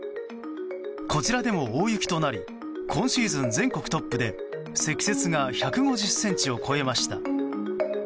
こちらでも大雪となり今シーズン全国トップで積雪が１５０ｃｍを超えました。